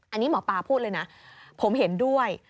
อันนี้หมอปลาพูดเลยนะผมเห็นด้วย